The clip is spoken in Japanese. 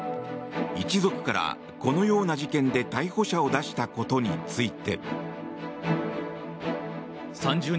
一族からこのような事件で逮捕者を出したことについて。